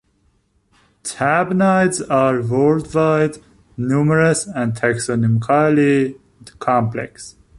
Tabanids are worldwide, numerous, and taxonomically complex.